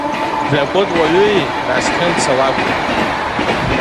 Дзакәытә уаҩуи нас Хымца Лагәба.